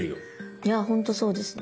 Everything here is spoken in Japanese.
いやほんとそうですね。